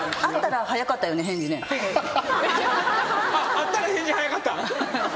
あったら返事早かったん？